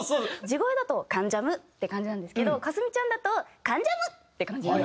地声だと「関ジャム」って感じなんですけど香澄ちゃんだと「関ジャム！」って感じなんですよ。